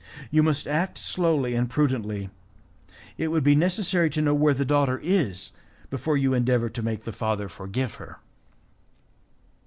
You must act slowly and prudently; it would be necessary to know where the daughter is before you endeavour to make the father forgive her."